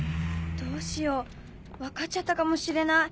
どうしよう分かっちゃったかもしれない。